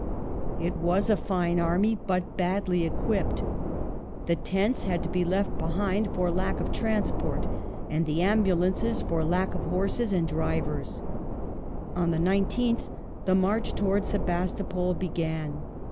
It was a fine army, but badly equipped. The tents had to be left behind for lack of transport, and the ambulances for lack of horses and drivers. On the 19th the march towards Sebastopol began.